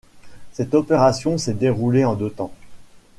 Cette opération s'est déroulée en deux temps.